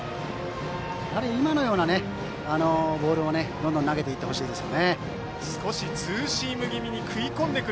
今のようなボールをどんどん投げていってほしいです。